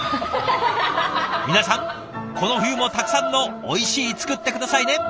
皆さんこの冬もたくさんの「おいしい」作って下さいね！